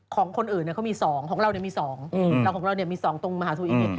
ของคนอื่นเนี่ยเขามี๒ของเราเนี่ยมี๒ของเราเนี่ยมี๒ตรงมหาศูนย์อีก